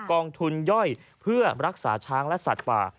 กองทุนย่อยเพื่อรักษาช้างและสัตว์ป่า